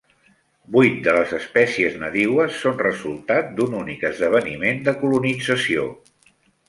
Vuit de les espècies nadiues són resultat d"un únic esdeveniment de colonització.